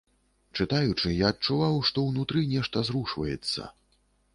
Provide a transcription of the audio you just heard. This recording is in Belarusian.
Чытаючы, я адчуваў, што ўнутры нешта зрушваецца.